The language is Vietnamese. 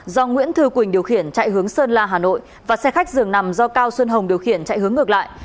do nguyễn thư quỳnh điều khiển chạy hướng sơn la hà nội và xe khách dường nằm do cao xuân hồng điều khiển chạy hướng ngược lại